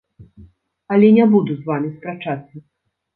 Але не буду з вамі спрачацца.